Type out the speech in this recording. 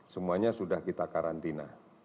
semuanya sudah kita karantina